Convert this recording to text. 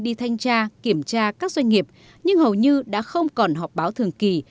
đi thanh tra kiểm tra các doanh nghiệp nhưng hầu như đã không còn họp báo thường kỳ